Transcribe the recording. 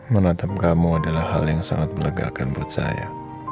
menatap kamu adalah hal yang sangat melegakan buat saya